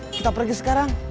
kita pergi sekarang